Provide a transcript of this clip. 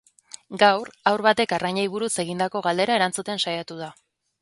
Gaur, haur batek arrainei buruz egindako galdera erantzuten saiatu da.